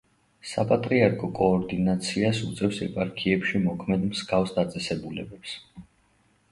საპატრიარქო კოორდინაციას უწევს ეპარქიებში მოქმედ მსგავს დაწესებულებებს.